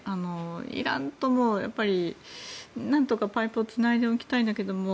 イランともなんとかパイプをつないでおきたいんだけども